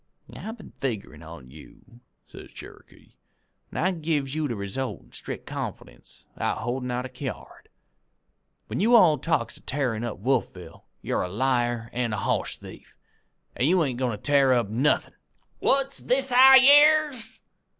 "'I've been figgerin' on you,' says Cherokee, 'an' I gives you the result in strict confidence without holdin' out a kyard. When you all talks of tearin' up Wolfville, you're a liar an' a hoss thief, an' you ain't goin' to tear up nothin'.' "'What's this I hears!'